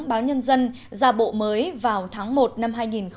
báo nhân dân ra bộ mới vào tháng một năm hai nghìn một mươi hai